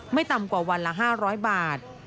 ต่ำกว่าวันละ๕๐๐บาท